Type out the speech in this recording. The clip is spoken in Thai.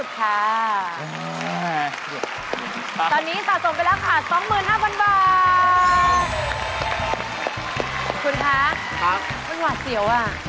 แพงกว่า